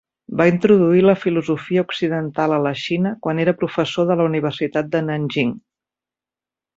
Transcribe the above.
Va introduir la filosofia occidental a la Xina quan era professor de la Universitat de Nanjing.